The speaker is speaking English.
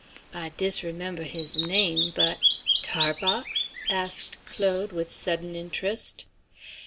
I disremember his name, but " "Tarbox?" asked Claude with sudden interest.